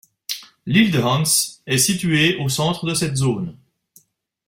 L'île de Hans est située au centre de cette zone.